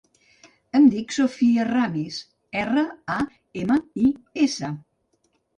Em dic Sofía Ramis: erra, a, ema, i, essa.